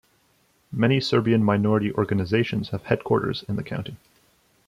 Many Serbian minority organizations have headquarters in the county.